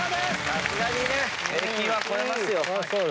さすがに平均は超えます。